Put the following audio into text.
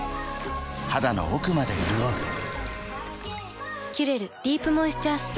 肌の奥まで潤う「キュレルディープモイスチャースプレー」